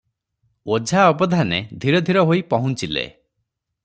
ଓଝା ଅବଧାନେ ଧୀର ଧୀର ହୋଇ ପହୁଞ୍ଚିଲେ ।